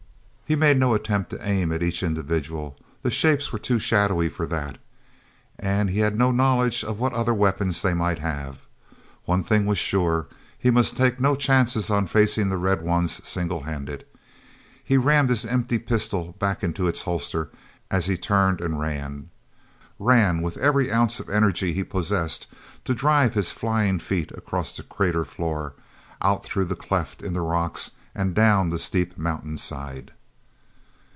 e made no attempt to aim at each individual—the shapes were too shadowy for that. And he had no knowledge of what other weapons they might have. One thing was sure: he must take no chances on facing the red ones single handed. He rammed his empty pistol back into its holster as he turned and ran—ran with every ounce of energy he possessed to drive his flying feet across the crater floor, out through the cleft in the rocks and down the steep mountainside.